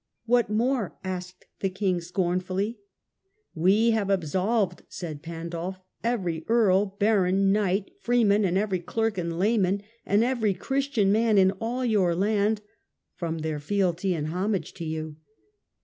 "What more?" asked the king scornfully. " We have absolved", said Pandulf, " every earl, baron, knight, freeman, and every clerk and layman, and every Christian man in all your land, from their fealty and homage to you."